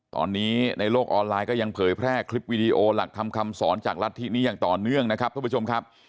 ตอนนี้ในโลกออนไลน์ก็ยังเผยแพร่คลิปวิดีโอหลักธรรมคำสอนจากรัฐธินี้อย่างต่อเนื่องนะครับทุกผู้ชมครับ